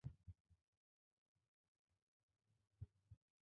তুমি হতে সেই শক্তিশালী মার্লিন!